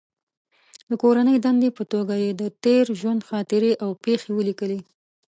د کورنۍ دندې په توګه یې د تېر ژوند خاطرې او پېښې ولیکلې.